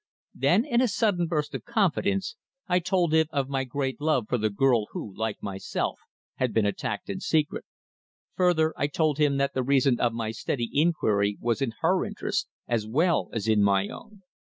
Then in a sudden burst of confidence I told him of my great love for the girl who, like myself, had been attacked in secret. Further, I told him that the reason of my steady inquiry was in her interests, as well as in my own.